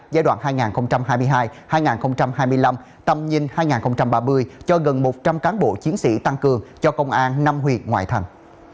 giai đoạn hai nghìn hai mươi hai hai nghìn hai mươi năm tầm nhìn hai nghìn ba mươi cho gần một trăm linh cán bộ chiến sĩ tăng cường cho công an năm huyện ngoại thành